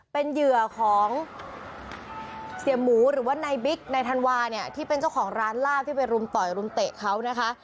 เป็นเหยื่อของเสียหมูหรือว่านายบิ๊กในธันวาเนี่ยที่เป็นเจ้าของร้านลาบที่ไปรุมต่อยรุมเตะเขานะคะ